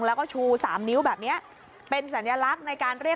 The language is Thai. แล้วชู๓นิ้วแบบเนี่ยเป็นสัญลักษณ์ใน